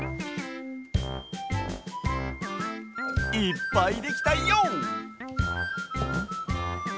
いっぱいできたＹＯ！